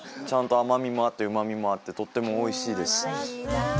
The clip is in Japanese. ちゃんと甘みもあって旨みもあってとってもおいしいです